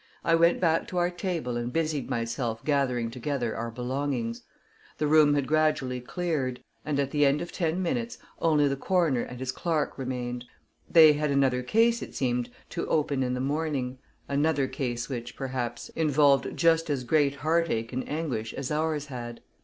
I went back to our table and busied myself gathering together our belongings. The room had gradually cleared, and at the end of ten minutes only the coroner and his clerk remained. They had another case, it seemed, to open in the morning another case which, perhaps, involved just as great heartache and anguish as ours had.